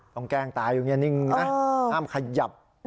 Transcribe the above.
ต้องแกล้งตายอยู่นี่นิ่งนะห้ามขยับ